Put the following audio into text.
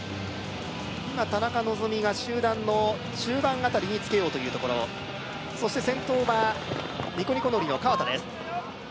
今田中希実が集団の中盤辺りにつけようというところそして先頭はニコニコのりの川田です